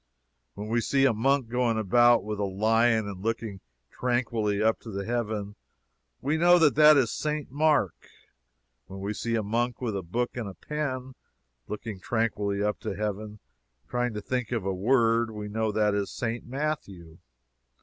When we see a monk going about with a lion and looking tranquilly up to heaven, we know that that is St. Mark. When we see a monk with a book and a pen, looking tranquilly up to heaven, trying to think of a word, we know that that is St. Matthew.